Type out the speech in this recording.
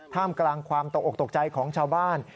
ท่ามกลางความตกออกตกใจของชาวบ้าน